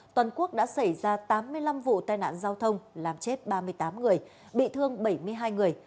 toàn quốc đã xảy ra tám mươi năm vụ tai nạn giao thông làm chết ba mươi tám người bị thương bảy mươi hai người